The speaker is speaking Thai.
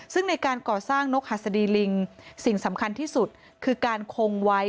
ซึ่งในการก่อสร้างนกหัสดีลิงสิ่งสำคัญที่สุดคือการคงไว้